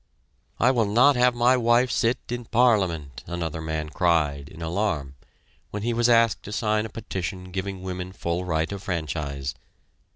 "I will not have my wife sit in Parliament," another man cried in alarm, when he was asked to sign a petition giving women full right of franchise.